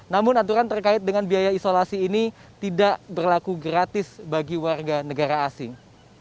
namun aturan terkait dengan biaya isolasi ini tidak berlaku gratis bagi warga negara asing